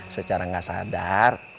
secara gak sadar